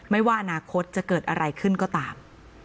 ไม่ว่าอนาคตจะเกิดอะไรขึ้นก็ตาม